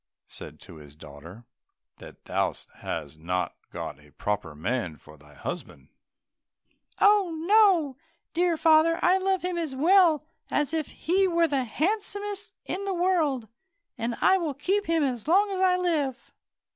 said he to his daughter, "that thou hast not got a proper man for thy husband?" "Oh, no, dear father, I love him as well as if he were the handsomest in the world, and I will keep him as long as I live."